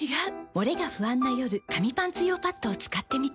モレが不安な夜紙パンツ用パッドを使ってみた。